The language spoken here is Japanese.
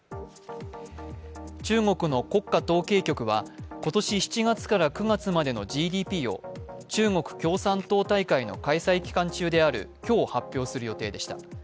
中国の国家統計局は、今年７月から９月までのＧＤＰを中国共産党大会の開催期間中である今日、発表する予定でした。